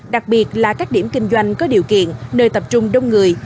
đặc biệt là các điểm kinh doanh có điều kiện nơi tập trung đông người